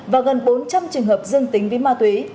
và gần bốn trăm linh trường hợp dương tính với ma túy